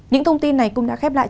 những thông tin này cũng đã khép lại